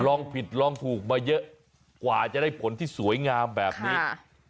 ลองผิดลองถูกมาเยอะกว่าจะได้ผลที่สวยงามแบบนี้